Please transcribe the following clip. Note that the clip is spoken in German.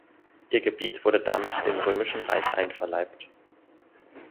Ihr Gebiet wurde damit dem Römischen Reich einverleibt.